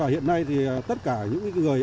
hiện nay thì tất cả những người